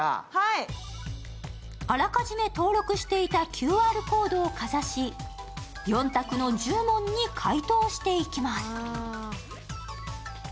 あらかじめ登録していたＱＲコードをかざし４択の１０問に回答していきます。